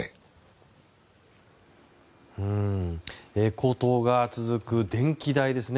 高騰が続く電気代ですね。